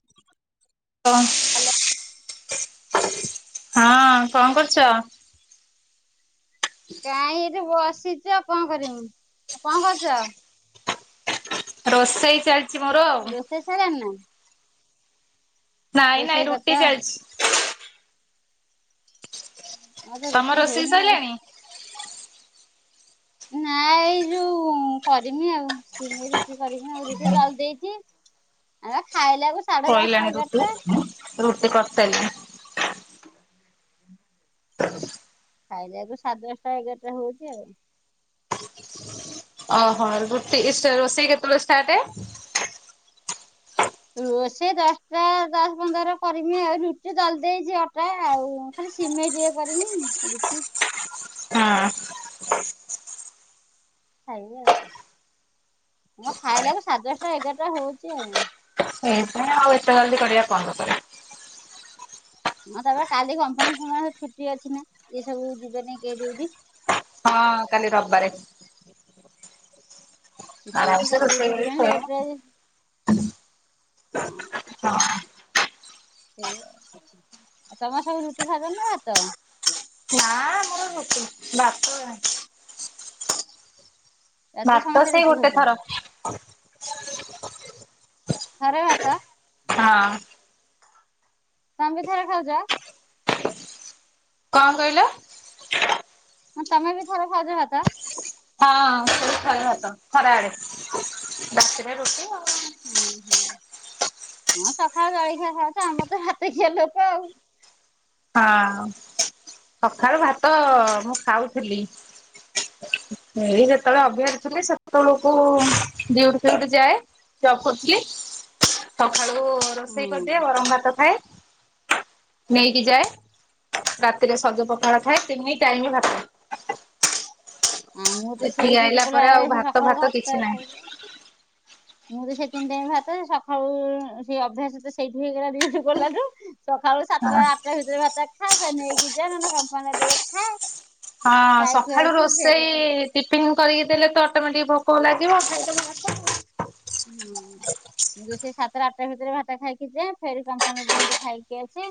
[inaudible] ଆଲ ହଁ କଣ କରୁଛ ନାଇଁ ଏଠି ବସିଛୁ ଆଉ କଣ କରିବୁ କଣ କରୁଛୁ ଆଉ ରୋଷେଇ ହେଇ ଚାଲିଛି ମୋର ଆଉ [unintelligible] ନାଇଁ ରୋଷେଇ ନାଇଁ କରିଚ? ରୁଟି ଚାଲିଛି ଆମର ତ ତମ ରୋଷେଇ ହେଇନି ଆଉ। ସରିଲାଣି ନା ଏଇ ଯୋଉ କରିମି ଆଉ ସିମିରୁ କରିକି ରୁଟି କରି ଦେଇଛି ଆ ଖାଇଲାକୁ ସାଢେ ସଇଲାଣି ଦଶଟା ରୁଟି ଏଗାରଟା ରୁଟି କରିସାରିଲିଣି ଖାଇଲେ ଆକୁ ସାଢ଼େ ଦଶଟା, ଏଗାରଟା ହଉଛି ଆଉ। ଓହୋ, ରୁଟି ରୋଷେଇ କେତେବେଳେ ଷ୍ଟାର୍ଟ? ରୋଷେଇ ଦଶଟା, ଦଶ ପନ୍ଦରା କରିମି ଆଉ। ରୁଟି ଦଳି ଦେଇଛି ଅଟା ଆଉ। ଖାଲି ସିମେଇ ଟ ଏ କରିନି। ରୁଟି, ହଁ। ଖାଇବ ଆଉ। ମ ଖାଇଲାକୁ ସାଢେ ଦଶଟା, ଏଗାରଟା ହଉଛି ଆଉ। ସେଇଟା। ଆଉ ଏତେ ଜଲଦି କରିବା କଣ ଦରକାର। ହଁ ତାପରେ କାଲି କମ୍ପାନୀ ଫାନ ଛୁଟି ଅଛି ନା। ଇଏ ସବୁ ଯିବେନି ଡ୍ୟୁଟି। ହଁ କାଲି ରବିବାରେ। ଛୁଟି ଅଛି ଆରାମସେ କଲି, ରୋଷେଇ ଡ୍ୟୁଟି କରିକି ଖାଇବା ଯିବେନି। ହଁ। ହଁ ସେଇଉ କିଛି। ଆଉ ତମର ସବୁ ରୁଟି ଖାଉଚ ନା ଭାତ। ନାଁ ଆମର। ଭାତ ଆଉ। ରାତିରେ ଭତ ସମସ୍ତେ ସେଇ ରୁଟି ଗୋଟେ ଖାଉଛନ୍ତି ଥର। ଥରେ ଭାତ? ହଁ। ତମେ ବି ଥରେ ଖାଉଚ। କଣ କହିଲ? ହ ତମେ ବି ଥର ଖାଉଚ ଭାତ। ହଁ ସବୁ ଥରେ ଭାତ ଖରାବେଳେ। ରାତିରେ ରୁଟି ଆଉ। ହୁଁ ହୁଁ। ହଁ ସକାଳ ଜଳଖିଆ ଖାଉଛ। ଆମର ତ ଭାତ ଖିଆ ଲୋକ ଆଉ। ହଁ ସଖାଳୁ ଭାତ ମୁଁ ଖାଉଥିଲି। ନ ଯେତେବେଳେ ଅଭହାଡି ଥିଲି, ସେତେବେଳେ ଡ୍ୟୁଟି ଫ୍ୟୁଟି ଯାଏ। ଜବ କରୁଥିଲି। ସଖାଳୁ ରୋଷେଇ କରିଦିଏ। ହୁଁ ଗରମ ଭାତ ଖାଏ। ନେଇକି ଯାଏ। ରାତିରେ ସଜ ପଖାଳ ଖାଏ। ତିନି ଟାଇମରେ ଭାତ। ଆଉ ମୁଁ ତ ସେଠି କି ସେଇ ଡ୍ୟୁଟି ଆଇଲା ପରେ ଆଉ କଲାବେଳେ ସେ ଭାତ, ସକାଳୁ ଫାତ ଭାତ କିଛି ଖାଇବେ ନାହିଁ। ମୁଁ ତ ସେ ତିନି ଟାଇ ଭାତ ସକାଳୁ ସେଇ ଅଭ୍ୟାସ ତ ସେଇଠୁ ହେଇଗଲା। ଦୁଇଠୁ ଗଲୁ। ସକାଳୁ ସାତଟା ଆଠଟା ଭିତରେ ଭାତ ଖାଇବେ। ନେଇକି ଯା କମ୍ପାନୀରେ ଦେବେ ଖା। ହଁ, ଖାଇ ସକାଳୁ ଖୁଆକି ଫେରେ ରୋଷେଇ- ଟିଫନ୍ କରିକି ଦେଲେ ତ ଅଟୋମେଟିକ ଭୋକ ଲାଗିବ। ଖାଇଦେବା କଥା ଆଉ। ହୁଁ। ସେ ସାତରେ ଆଠଟା ଭିତରେ ଭାତ ତା ଖାଇକି ଯେ। ଫେରି କମ୍ପାନୀରେ ଦିଅନ୍ତି ଖାଇକି ଆସେ।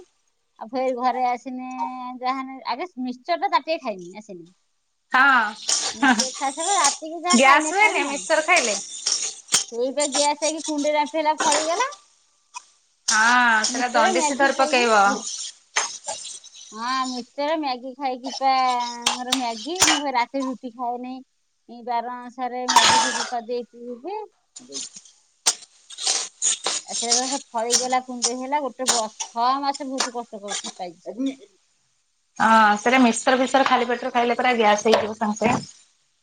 ଆଉ ଫର ଘରେ ଆସନି ଯାହାନେ ଆଗ ମିଶ୍ଚର୍ ଟା ତା ଟେ ଖାଇନି ଆସନି। ହଁ ମିଶ୍ଚର ଖାଇସରିବା ପରେ, ରାତିକି ଯାହା ଗ୍ୟାସ ଖାଇନି ହୁଏନି ଖାଇନି ନହଲେ ନାଇଁ। ମିକ୍ସଚର ଖାଇଲେ। ଏଇପ ଗ୍ୟାସ୍ ହେଇକି କୁଣ୍ଡି ରାମ୍ପି ହେଲା ଫଳିଗଲା। ହଁ ସେଇଟା ମିକ୍ସଚର ଦଣ୍ଡିଶି ମ୍ୟାଗି ଧରି ଖାଇବି ପକେଇବ। ହଁ ମିଶ୍ଚର, ମ୍ୟାଗି ଖାଇକି ବା ମୋର ମ୍ୟାଗି ମୁଁ ରାତିରେ ରୁଟି ଖାଏନି। ଏଇ ବାର ଅନୁସାରେ ମ୍ୟାଗି, ଫ୍ୟାଗି କରିଦେଇ ଇପି, ଲିପି, ହ [unintelligible] ଆଉ ସେ ଫଳିଗଲା କୁଣ୍ଡେଇ ହେଲା ଗୋଟେ ବ ଛଅ ମାସ ବହୁତ କଷ୍ଟ ପାଇଛି। ହଁ ସେଟା ମିରଶ୍ଚ ଫିଶ୍ଚର ଖାଲି ପେଟରେ ଖାଇଲେ ପରା, ଗ୍ୟାସ୍ ହେଇଥିବ ସାଙ୍ଗେ,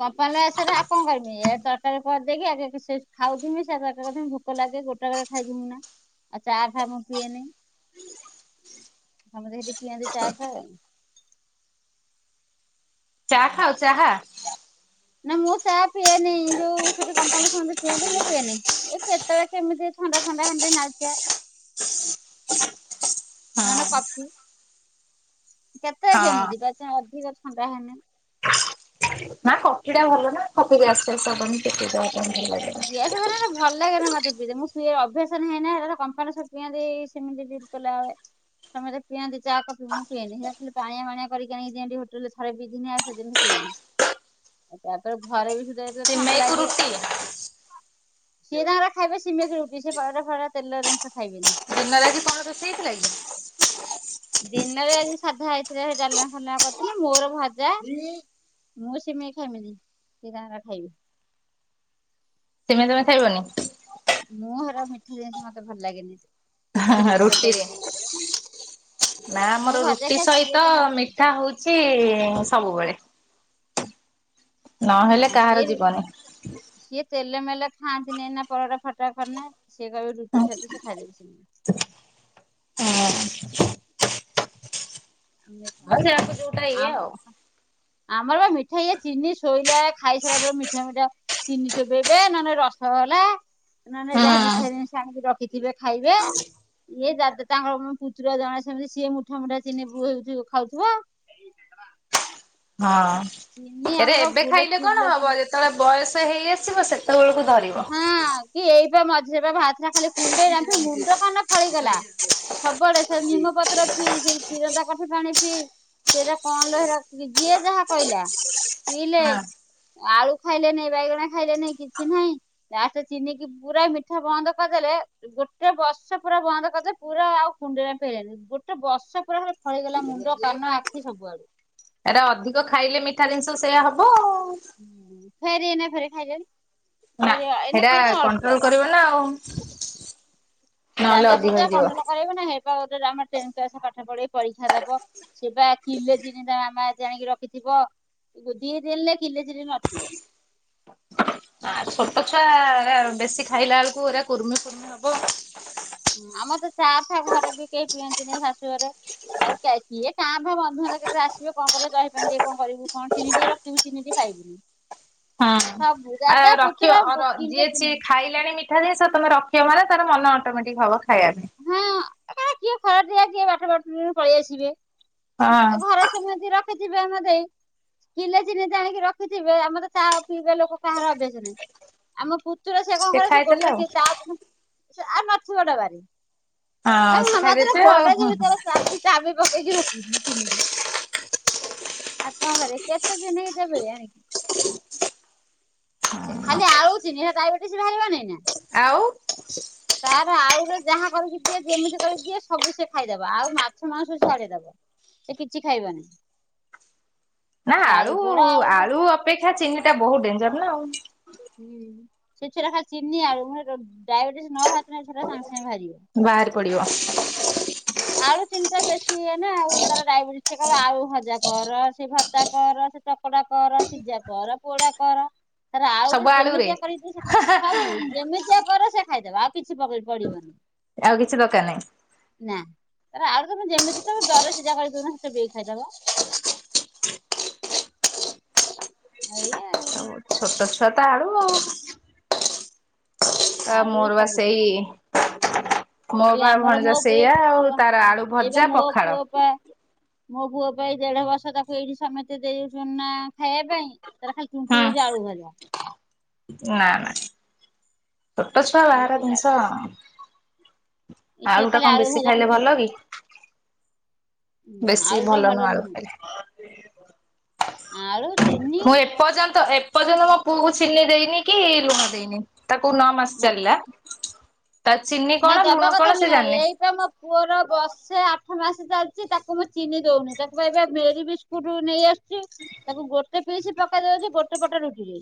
କମ୍ପାନୀ ଆସିଲା ଆଉ କଣ କରିବି। ଏ ତରକାରୀ କରିଦେଇକି ଆଗ ଖାଉଦମି ସେ ତରକାରୀ, ଲୋକ ଲାଗେ ଗୋଟା ଗଟ ଖାଇଦୋଉନ ଆଉ ଚା ଫା ମୁଁ ପିଇଏ ନାହିଁ। ଆ ଟିକଆ ଚାଫା। ଆହୁ ଚାହା। ନାଁ ମୁଁ ଚାହା ପିଏନି ଯୋଉ ସେଠି କମ୍ପାନୀରେ ପିଅନ୍ତି ମୁଁ ପିଏନି। ଏ କେତେବେଳେ କେମିତି ଥଣ୍ଡା ଫଥଣ୍ଡା ହେଲେ ନାଲିଚା। ହଁ ହଁ ନାଁ ନାଁ କଫି କେତେ କେମିତି ବା ଅଧିକ ବାହାନେ ନାଁ କଫି ଟା ଭଲ ନାଁ କପି ବି [unintelligible] ଇଏସ୍ ଭଲ ଲାଗେନ ମତେ ପି ମୁଁ ପ ଅଭ୍ୟାସ ହେଇନା ହେ କମ୍ପାନୀ ସବୁ ପିଅନ୍ତି ସେମିତି ଖୋଲାଚ୍ ସମସ୍ତେ ପିନ୍ତି ଚା କି ମୁଁ ପିଏନି ହେଟ ଖାଲି ପାଣିଆ ପାଣିଆ କରିକ ଆଣିକି ଆଣନ୍ତି ହୋଟେଲ୍ ରେ ଥରେ ପିଇଥିଲି ଆଉ ପିଇନି। ତା ପରେ ବି ଘରେ ବି ସୁଧା ଯେତେବେଳେ ଥଣ୍ଡା ସିମେଇକୁ ଲାଗେ। ରୁଟି ସିଏ ତାଙ୍କର ଖାଇବେ ସିମେଇ କି ରୁଟି ସେଡା ଫଡା ତେଲର ଜିନିଷ ଖାଇବେନି। ମିନରାଜି କନ୍ ରୋଷେଇ ହେଇଥିଲା କି? ଦିନରେ ଆଜି ସାଧା ହେଇଥିଲା ସେ ଡାଲମା ଫଲ କରିଥିଲେ ମୋର ଭଜା। ମୁଁ ସିମି ଖାଇମିନି ସେଏ ଗାଁ ଖାଇବି। ତମେ ତମେ ଖାଇବନି। ମୁଁର ମିଠା ଜିନିଷ ମତେ ଭଲ ଲାଗେନି। ଏ କ୍ଷୀର ମିର ରୁଟିରେ ପଡିକି ନାଁ ମୁଁ ଆମର ଭଜା ରୁଟି ଖାଏ ସିଏ ସହିତ ତାଙ୍କର ଖାଆନ୍ତି ମିଠା ହଉଛି। ଛି ସବୁବେଳେ। ନହେଲେ ନାଁ କାହାର ସିଏ ଯିବନି। ସିଏ ତେଲ ମେଲେ ଖାଆନ୍ତିନି ନାଁ ପରଟା ଫଟା ଖରନା। ସେ କହ ହଁ ରୁଟିି ସହିତ ସେ ଖାଇଦେବି ସିନା। ହ ଆମେ ହଉ ଯାକୁ ଯୋଉଟା ଇଏ ଆଉ। ଆମର ବା ମିଠା ଇଏ ଚିନି ଶୋଇଲା ଖାଇସାରିଲା ପରେ ମିଠା ମିଠା ଚିନି ଚୋବେଇବେ ନହେଲେ ରସ ଗଲା ନହେଲେ ହୁଁ ଯାହା ମିଠା ଜିନିଷ ଆଣିକି ରଖ୍ ସିଏ ଯାବେ ଖାଇବେ ଇଏ ତାଙ୍କର ପୁତୁର ଜଣେ ସେମିତି ସିଏ ମୁଠା ମୁଠା ଚିହ୍ନି ପୁଅ ଯୋଉ ଖାଉଥିବ। ଚିନି ହଁ ଏରେ ଆମର ଏବେ କିଲୋ ଖାଇଲେ କଣ କିଲୋ ଚିନି ହବ? ତଳେ ବୟସ ହେଇ ଆସିବ ସେତେବେଳକୁ ଧରିବ। ହଁ କି ଏଇବେ ମଝିରେ ଭାରିଥିଲା ଖାଲି କୁଣ୍ଡେଇ ମୁଣ୍ଡ କାନ ଫଳିଗଲା। ସବୁବେଳେ ସେ ନିମ ପତ୍ର ପିଇ ସେଇ ଚରଦା କଠି ପାଣି ପିଇ। ସେଟା କଣଲୋ ହେରା ଯିଏ ଯାହା କହିଲା ପଇଲେ। ହଁ ଆଳୁ ଖାଇଲେ ନାଇଁ ବାଇଗଣ ଖାଇଲେ ନାଇଁ କିଛି ନାହିଁ। ନାଁ ଚିନିକି ପୁରା ମିଠା ବନ୍ଦ କରିଦେଲେ। ଗୋଟେ ବର୍ଷ ପୁରା ବନ୍ଦ କରିଦେ ପୁରା ଆଉ କୁଣ୍ଡିରେ ଫେଲେନି। ଗୋଟେ ବର୍ଷ ପୁରା ହରେ ଫଳିଗଲା ମୁଣ୍ଡ କାନ ଆଖି ସବୁଆଡୁ। ଏଟା ଅଧିକ ଖାଇଲେ ମିଠା ଜିନିଷ ସେଇୟା ହବ ଆଉ। ହ ଫେରେ ଏନା ଫେରେ ଖାଇଲେଣି। ନାଁ ଫେରେ ଏଇନା ସେଟା ଖାଉଛନ୍ତି ଅଳ୍ପ। କଣ୍ଟ୍ରୋଲ କରିବ ନାଁ ଆଉ ନହେଲେ ଅଧିକ ହେଇଯିବ। କରବ ନାଁ ହେ ଆମ ଆସ ପାଠ ପଢେଇ ପରୀକ୍ଷା ଦବ। ସେ ବା କିଲେ ଚିନି ତା ମାମା ଜାଣିକି ରଖିଥିବ ଦି ଦିନେ କିଲେ ଚିନି ନଥିବ। ଆଉ ଛୋଟ ଛୁଆ ଆ, ବେଶୀ ଖାଇଲା ବେଳକୁ ଏରା କୁର୍ମି ଫୁର୍ମି ହବ। ହୁଁ, ଆମର ତ ଚା ଫା ଘରେ ବି କେହି ପିଅନ୍ତିନି ଶାଶୁଘର। ଆଉ କିଏ ଆସ, କିଏ କାଁ ଭାଁ ବନ୍ଧୁଘର କେତେଳେ ଆସିବେ କଣ କରିବେ ଦହିପାଣି ଟିକେ କଣ କରିବୁ କଣ ଚିନି ଟିକେ ରଖଥିବୁ, ଚିନି ଟି ପାଇବୁ। ହୁଁ। ହଁ ଆ, ପୁତୁରା ରଖିବ ଅର କିଲେ ଯିଏ ସି ଚିନି ଖାଇଲାଣି ମି ଠା ଜିନିଷ ତୋମେ ରଖିବ ମାନେ ତାର ମନ ଅଟୋମେଟିକ୍ ହବ ଖାଇବା ପାଇଁ। ହଁ ହଁ କିଏ ଖରା ଠିଆ କିଏ ବାଟର ବାଟରୁ ପଳେଇ ଆସିବେ। ହଁ ଏ ଘରେ ସେମିତି ରଖିଥିବେ ଆମେ ଦେଇ। କିଲେ ଚିନି ଜାଣିକି ରଖିଥିବେ, ଆମର ତ ଚା ପିଇବା ଲୋକ କାହାର ଅଭସ ନାହିଁ। ଆମ ପୁତୁର ସେ କଣ କରେ ସେ ଖାଇଦେଲେ ଗୋଟେ ଆଉ କି ତା ଦିନ ସେ ଆଉ ନଥିବ ଡବାରେ। ତା ହଁ ସେ ମାମା ଖାଇ ତାର ଦେଇଥିବେ ଆଉ ଗୋଡଜେ ହୁଁ ଭିତରେ ଚାବି ଚାବି ପକେଇକି ରଖୁଛିି ଚିନି କୁ। ଆଉ କଣ କରିବେ କେତେ ଚିନି ଦେବେ ଆଣିକି। ସେ ଖାଲି ଆଳୁ ଚିନି ସେ ଡାଇବେଟିସ୍ ବାହାରିବ ନାଇଁ ନା? ଆଉ। ତାର ଆଳୁରେ ଯାହା କରିକି ଦିଏ, ଯେମିତି କରିକି ଦିଏ ସବୁ ସେ ଖାଇଦବ, ଆଉ ମାଛ ମାଂସ ସିଏ ଆଡେଇଦବ। ଏ କିଛି ଖାଇବନି। ନା ସେ ଆଳୁ ପୋଡା ଆଳୁ ଭଜା ଅପେକ୍ଷା ଚିନି ଟା ବହୁତ ଡେଞ୍ଜର୍ ନା ଆଉ। ହୁଁ, ସେ ଛୁଆ ଟା ଖାଲି ଚିନି ଆଳୁ, ହଁ ଯ- ଡାଇବେଟିସ୍ ନ ବାହାରୁଥିନେ ଏ ଛୁଆ ଟାକୁ ସାଙ୍ଗେ ସାଙ୍ଗେ ଭାରିବ। ବାହାରି ପଡିବ। ଆଳୁ ଚିନି ଟା ବେଶୀ ଇଏ ନା ଆଉ, ତାର ଡାଇବେଟିସ୍ ସିଏ କହିବ ଆଳୁ ଭଜା କର, ସେ ଭତ୍ତା କର ସେ ଚକଡା କର, ସିଜା କର, ପୋଡା କର। ତାର ଆଳୁ କୁ ସବୁ ଆଳୁରେ ଯେମିତିଆ କରିକିଦିଅ ସେ ଖାଇଦବ, ସବୁ ଯେମିତିଆ କର ସେ ଖାଇଦବ, ଆଉ କିଛି ପକେଇ ପଡିବନି। ଆଉ କିଛି ଦରକାର ନାହିଁ? ନା ତାର ଆଳୁ କୁ ତୋମେ ଯେମିତି ତୋମେ ଦର ସିଜା କରିକି ଦଉନ ସେ ଚୋବେଇ ଖାଇଦବ। ଏଇ ଏ ଆଉ ଛୋଟ ଛୁଆ ତ ଆଳୁ ଆଉ। ତା ଆଳୁରେ ମୋଳ୍ ସେଇ ମୋ ଏ ବା ଆମର ଭଣଜା ମୋ ସେଇଆ ଆଉ ପେ-ପୁଅ ତାର ଆଳୁ ଏଇ ଭଜା ବା ମୋ ପଖାଳ ପୁଅ ପା ମୋ ପୁଅ ପା ଏଇ ଦେଢ ବର୍ଷ ତାକୁ ଏଇଠି ସମତେ ଦେଇଦେଉଛନ୍ତି ନା ଖାଇବା ପାଇଁ। ତାର ଖାଲି ହୁଁ ଟୁଙ୍କି ଦଉଚୁ ଆଳୁ ଭଜା। ନା ନା ଛୋଟ ଛୁଆ ସିଏ ବାହାର ସେ ଜିନିଷ ସିଏ ଆଳୁ ଟା ଖାଲି କଣ ବେଶୀ ଭଜା ଖାଇଲେ ଟୁଙ୍କି ଭଲ ଦବ। କି? ଉଁ ବେଶୀ ଆଳୁଟା ଭଲ ନୁହଁ ଆଳୁ ନୁହେଁ ଖାଇଲେ। ଆଳୁ ଚିନି ମୁଁ ଏ ପର୍ଯ୍ୟନ୍ତ ଏପର୍ଯ୍ୟନ୍ତ ମୋ ପୁଅ କୁ ଚିନି ଦେଇନି କି ଲୁଣ ଦେଇନି। ତାକୁ ନଅ ମାସ ନା ଚାଲିଲା, ତା ଚିନି ନା କଣ ଦବା ଲୁଣ କଥା କଣ ସେ ନୁହେଁ ଜାଣିନି। ଏଇପା ମୋ ପୁଅର ବର୍ଷେ ଆଠ ମାସ ଚାଲିଚି ତାକୁ ମୁଁ ଚିନି ଦଉନି, ତାକୁ ପା ଏବେ ମେରି ବିସ୍କୁଟ୍ ନେଇ ଆସୁ ଚି, ତାକୁ ଗୋଟେ ପିସି ପକେଇ ଦେଇଛି, ଗୋଟେ ପଟ ରୁଟି ରେ।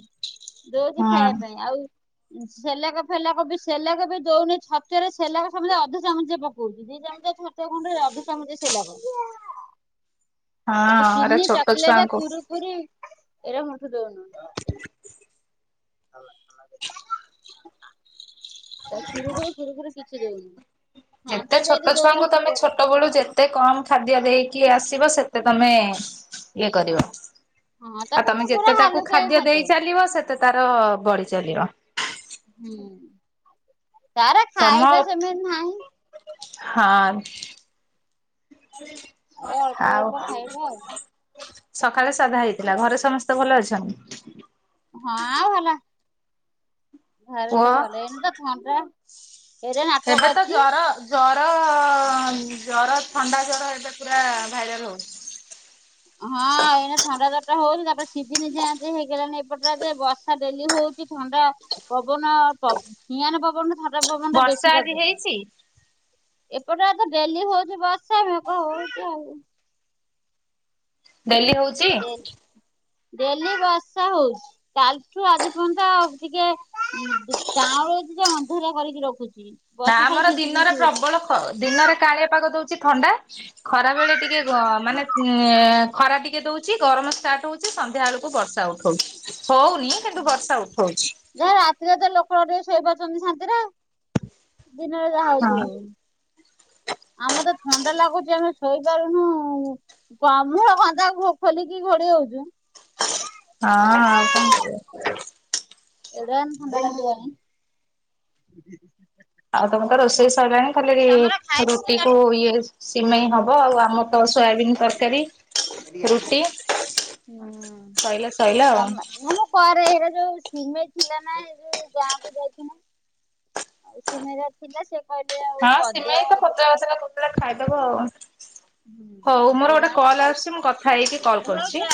ଦଉଚି ହୁଁ ଖାଇବା ପାଇଁ, ଆଉ ସେଲାକ ଫେଲାକ ବି ସେଲାକ ବି ଦଉନି, ଛତ ତୁଆ ରେ ସେଲାକ ସବୁବେଳେ ଅଧ ଚାମଚେ ପକଉଚି। ଦି ଚାମଚେ ଛତୁଆ ଗୁଣ୍ଡରେ ଅଧ ଚାମଚେ ସେଲାକ। ତାକୁ ହଁ ଏରା ଚିନି, ଛୋଟ ଚକୋଲେଟ ଛୁଆଙ୍କୁ କୁରୁକୁରି ଏରା ମୁଠେ ଦଉନୁ। ତା କୁରୁୁକୁରି ଫୁରୁକୁରି କିଛି ଦଉନି। ଯେତେ ଛୋଟ ଛୁଆଙ୍କୁ ତୋମେ ଛୋଟ ବେଳୁ ଯେ ତେ କମ ଖାଦ୍ୟ ଦେଇକି ଆସିବ ସେତେ ତୋମେ ଇଏ କରିବ। ହଁ ଆଉ ତାକୁ ତୋମେ ମୁଁ ପୁରା ଯେତେ ତାକୁ ହାଲୁକେଇ ଖାଦ୍ୟ ଦେଇ ଚାଲିବ ସେତେ ତାର ବଢି ଚାଲିବ। ହୁଁ ତାର ତମ ଖାଇବା ସେମିତି ନାହିଁ। ହଁ ତାର ଅଳ୍ପ ଆଉ ଅଳ୍ପ ଖାଇବା ଆଉ। ସକାଳେ ସାଧା ହେଇଥିଲା ଘରେ ସମସ୍ତେ ଭଲ ଅଛନ୍ତି? ହଁ ଭଲ ଘରେ ପୁଅ ସବୁ ଭଲ ଏଇନି ତ ଥଣ୍ଡା ଏଇଟା ନାଟକ ଅଛି। [unintelligible] ଜ୍ଵର ଜ୍ୱର ଥଣ୍ଡା ଜ୍ବର ଏବେ ପୁରା ଭାଇରାଲ ହଉ ହଁ ଏଇ ଥଣ୍ଡା ଜ୍ୱର ହଉଛି ତାପରେ ସିଝିନି ଚେଞ୍ଜ ହେଇଗଲାଣି ଏପଟା ଯେ ବର୍ଷା ଡେଲି ହଉଛି ଥଣ୍ଡା ପବନ ହିଆନ ପବନ ଥଣ୍ଡା ପବନ ଟା ବର୍ଷା ବେଶୀ ଆଜି କରିଦି। [unintelligible] ହେଇଛି ଏପଟେ ଆ ତ ଡେଲି ହଉଛି ବର୍ଷା ମେଘ ହଉଛି ଆଉ। ଡ଼େଲି ହଉ ଡ଼େ ଡେଲି ବର୍ଷା ହଉଛି କାଲିଠୁ ଆଜି ପର୍ଯ୍ୟନ୍ତ ଆଉ ଟିକେ କାଉଁଳୁଛି ଯେ ଅନ୍ଧୁଗା କରିକି ରଖୁଛି ନା ବର୍ଷା ଖାଲି ଆମର ଫିସି ଦିନରେ ଫିସି ହଉଛି। ପ୍ରବଳ ଦିନରେ କାଁ ଳିଆ ପାଗ ଦଉଛି ଥଣ୍ଡା ଖରା ବେଳେ ଟିକେ ଗ ମାନେ ଉ ଖରା ଟିକେ ଦଉଛି ଗରମ ଷ୍ଟାର୍ଟ ହଉଛି ସନ୍ଧ୍ୟା ବେଳକୁ ବର୍ଷା ଉଠଉଛି ହଉନି କିନ୍ତୁ ବର୍ଷା ଉଠଉଛି ଯାହା ରାତିରେ ତ ଲୋକମାନେ ଟିକେ ଶୋଇପାରୁଛନ୍ତି ଶାନ୍ତିରେ ଦିନରେ ଯାହା ହଉଛି ହଁ। ହଉ ଆମର ତ ଥଣ୍ଡା ଲାଗୁଛି ଆମେ ଶୋଇପାରୁନୁ ମୂଳ କନ୍ଦା ଖୋଲିକି ଘୋଡି ହଉଛୁ ହଁ ହଉ କଣ? ଏଡଣି [unintelligible] ଆଉ ତମର ରୋଷେଇ ସରିଲାଣି ଖାଲି ତମର ଖାଇ ତ ରୁଟି କୁ ଇଏ ସିମେଇ ହବ ଆଉ ଆମର ତ ସୋୟାବିିନ ତରକାରୀ ରୁଟି ଶଇଲେ ଶଇଲା ଆଉ କରେଇରେ ଯୋଉ ସିସେଇ ଥିଲା ନା ଏଇ ଯୋଉ ଗାଁ କୁ ଯାଇଥିଲ ନା ଆଉ ସିମିଇରା ଥିଲା ସେ କହିଲେ ଆଉ ହଁ କଦ ସିମେଇ ତ ପତଳା ପତଳା ଖାଇଦବ ଆଉ ହଉ ମୋର ସେ ଗୋଟେ କଲ୍ ଆସୁଛି ମୁଁ କଥା ହେଇକି କଲ୍ କରୁଛି।